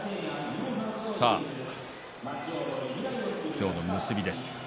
今日の結びです。